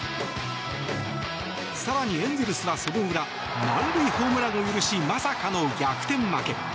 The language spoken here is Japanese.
更にエンゼルスは、その裏満塁ホームランを許しまさかの逆転負け。